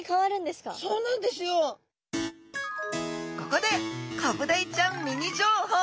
ここでコブダイちゃんミニ情報。